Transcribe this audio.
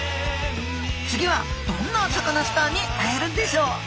次はどんなサカナスターに会えるんでしょう。